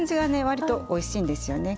わりとおいしいんですよね。